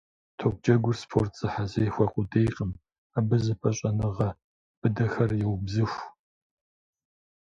Топджэгур спорт зэхьэзэхуэ къудейкъым, абы зэпыщӏэныгъэ быдэхэр еубзыху.